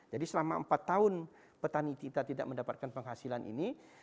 jadi selama empat tahun petani kita tidak mendapatkan penghasilan ini